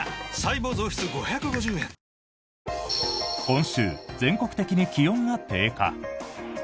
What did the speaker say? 今週、全国的に気温が低下。